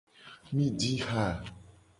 Mi ji ha.